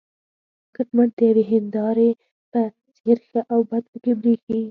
کټ مټ د یوې هینداره په څېر ښه او بد پکې برېښي.